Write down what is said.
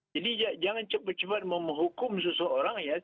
jadi jangan cepat cepat memohokum seseorang ya